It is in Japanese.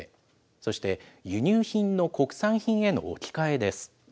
そして、輸入品の国産品への置き換えです。